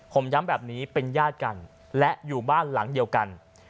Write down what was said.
ผมย้ำแบบนี้เป็นญาติกันและอยู่บ้านหลังเดียวกัน